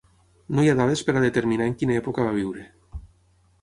No hi ha dades per determinar en quina època va viure.